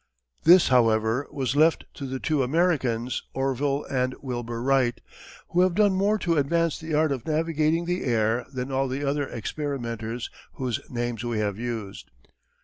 This however was left to the two Americans, Orville and Wilbur Wright, who have done more to advance the art of navigating the air than all the other experimenters whose names we have used.